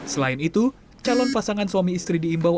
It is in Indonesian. selain itu calon pasangan suami istri diimbau